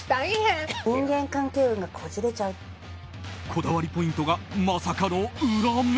こだわりポイントがまさかの裏目？